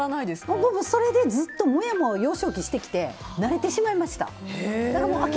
ずっと、もやもやを幼少期してきて慣れてしまいました。